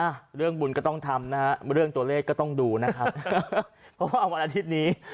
อ่ะเรื่องบุญก็ต้องทำนะฮะเรื่องตัวเลขก็ต้องดูนะครับเพราะว่าวันอาทิตย์นี้